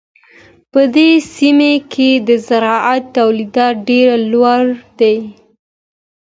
په دې سیمه کې د زراعت تولیدات ډېر لوړ دي.